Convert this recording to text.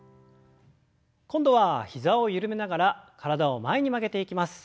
今度は膝を緩めながら体を前に曲げていきます。